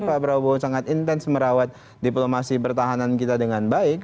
pak prabowo sangat intens merawat diplomasi pertahanan kita dengan baik